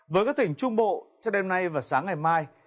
với các tỉnh trung bộ cho đêm nay và sáng ngày mai